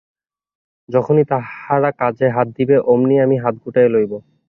যখনই তাহারা কাজে হাত দিবে, অমনি আমি হাত গুটাইয়া লইব।